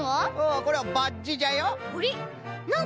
んこれはバッジじゃよ。